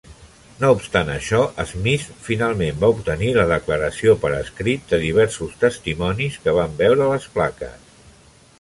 No obstant això, Smith finalment va obtenir la declaració per escrit de diversos testimonis que van veure les plaques.